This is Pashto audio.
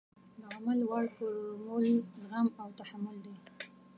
د عمل وړ فورمول زغم او تحمل دی.